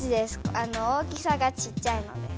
大きさがちっちゃいので。